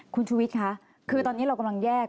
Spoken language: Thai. คุณชุวิตค่ะคือตอนนี้เรากำลังแยก